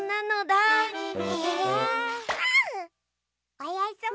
おやすみ！